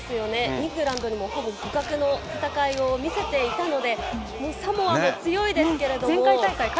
イングランドにもほぼ互角の戦いを見せていたので、サモアも強いですけれども。